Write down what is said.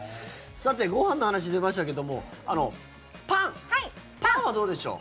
ご飯の話出ましたけどパンはどうでしょう？